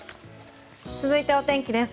続いて、お天気です。